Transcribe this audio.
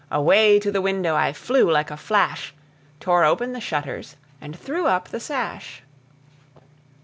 Away to the window I flew like a flash, Tore open the shutters and threw up the sash.